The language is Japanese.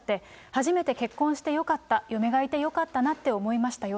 初めて結婚してよかった、嫁がいてよかったなって思いましたよ。